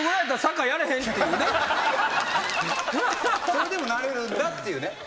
それでもなれるんだっていうね。